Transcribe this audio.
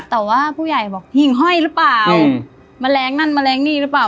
แต่ว่าผู้ใหญ่บอกหิ่งห้อยหรือเปล่าแมลงนั่นแมลงนี่หรือเปล่า